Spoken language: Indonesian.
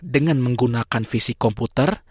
dengan menggunakan fisik komputer